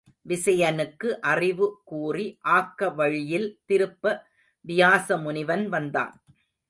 விசயனுக்கு அறிவு கூறி ஆக்க வழியில் திருப்ப வியாச முனிவன் வந்தான்.